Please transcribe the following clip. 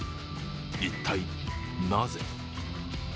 一体、なぜ？